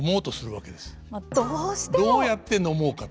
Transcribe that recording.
どうやって飲もうかと。